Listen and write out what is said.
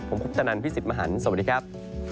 ผมคุปตะนันพี่สิทธิ์มหันฯสวัสดีครับ